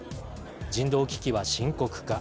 人道危機は深刻化。